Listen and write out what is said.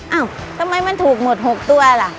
เอ้าทำไมมันถูกหมด๖ตัวล่ะ